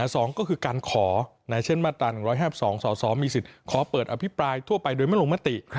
สองก็คือการขอเช่นมาตรา๑๕๒สสมีสิทธิ์ขอเปิดอภิปรายทั่วไปโดยไม่ลงมติ